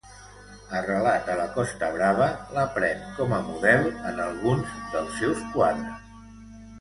Arrelat a la Costa Brava, la pren com a model en alguns dels seus quadres.